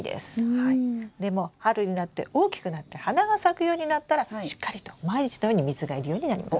でも春になって大きくなって花が咲くようになったらしっかりと毎日のように水が要るようになります。